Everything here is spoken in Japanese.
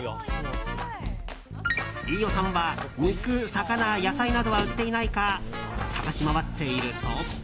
飯尾さんは、肉、魚、野菜などは売っていないか探し回っていると。